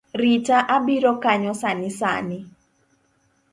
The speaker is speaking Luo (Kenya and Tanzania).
Rita abiro kanyo sani sani